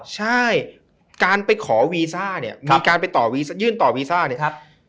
ใช่การไปขอวีซ่าเนี่ยมีการไปต่อยื่นต่อวีซ่าเนี่ยครับ